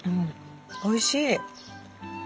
おいしい。